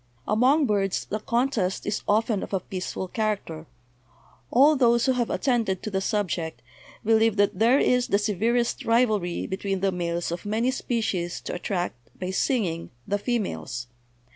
"Among birds the contest is often of a peaceful char acter. All those who have attended to the subject believe that there is the severest rivalry between the males of many species to attract, by singing, the females.